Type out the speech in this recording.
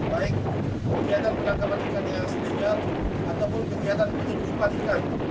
baik kegiatan penangkapan ikan yang sederhana ataupun kegiatan penyelidikan ikan